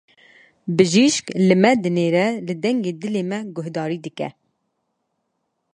Bijîşk li me dinêre, li dengê dilê me guhdarî dike.